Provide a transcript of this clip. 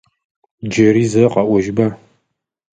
Джыри зэ къэӏожьба?